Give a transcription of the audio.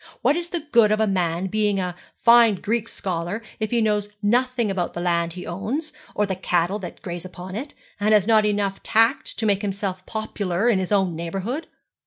What is the good of a man being a fine Greek scholar if he knows nothing about the land he owns, or the cattle that graze upon it, and has not enough tact to make himself popular in his own neighbourhood?